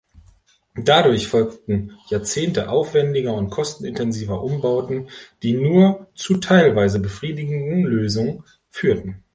Dadurch folgten Jahrzehnte aufwendiger und kostenintensiver Umbauten, die nur zu teilweise befriedigenden Lösungen führten.